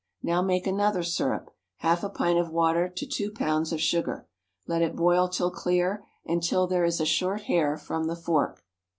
Now make another syrup, half a pint of water to two pounds of sugar; let it boil till clear and till there is a short hair from the fork.